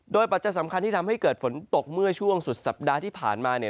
ปัจจัยสำคัญที่ทำให้เกิดฝนตกเมื่อช่วงสุดสัปดาห์ที่ผ่านมาเนี่ย